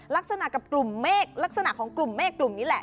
ลักษณะกับกลุ่มเมฆลักษณะของกลุ่มเมฆกลุ่มนี้แหละ